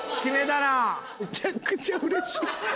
むちゃくちゃうれしい！